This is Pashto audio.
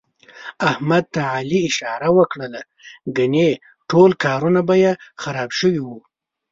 احمد ته علي اشاره ور کړله، ګني ټول کارونه به یې خراب شوي وو.